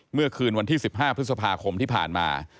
เมื่อคืนวันที่๑๕พฤษภาคมที่ผ่านมา